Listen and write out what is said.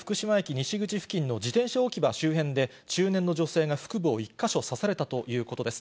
西口付近の自転車置き場周辺で、中年の女性が腹部を１か所刺されたということです。